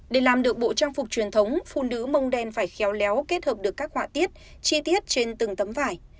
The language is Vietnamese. để làm được bộ trang phục truyền thống phụ nữ mông đen phải khéo léo kết hợp được các họa tiết chi tiết trên từng tấm vải